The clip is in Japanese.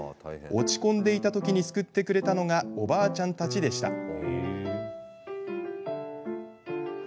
落ち込んでいたときに救ってくれたのがおばあちゃんたちでした。